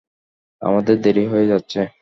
আমাদের দেরি হয়ে যাচ্ছে।